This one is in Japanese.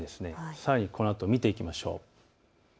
さらにこのあと見ていきましょう。